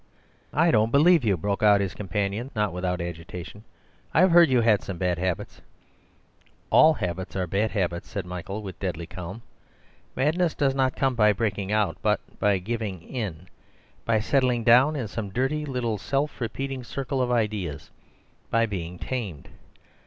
"I don't believe you," broke out his companion, not without agitation. "I've heard you had some bad habits—" "All habits are bad habits," said Michael, with deadly calm. "Madness does not come by breaking out, but by giving in; by settling down in some dirty, little, self repeating circle of ideas; by being tamed.